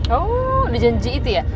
oh udah janji itu ya